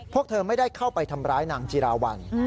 พวกเธอไม่ได้เข้าไปทำร้ายนางจิราวัล